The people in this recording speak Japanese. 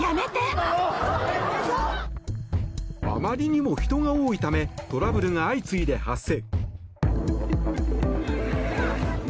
あまりにも人が多いためトラブルが相次いで発生。